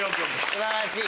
素晴らしい。